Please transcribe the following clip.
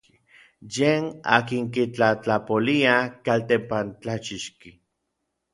Yej n akin kitlatlapolia n kaltempantlachixki.